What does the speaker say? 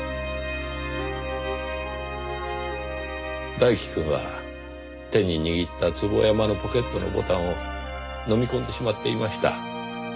大樹くんは手に握った坪山のポケットのボタンを飲み込んでしまっていました。